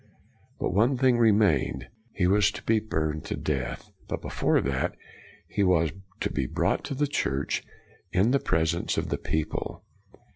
But one thing remained. He was to be burned to death, but before that, he was to be brought to Church in the presence of the people.